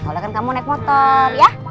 boleh kan kamu naik motor ya